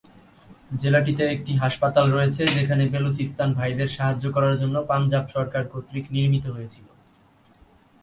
জেলাটিতে একটি হাসপাতাল রয়েছে যেখানে বেলুচিস্তান ভাইদের সাহায্য করার জন্য পাঞ্জাব সরকার কর্তৃক নির্মিত হয়েছিল।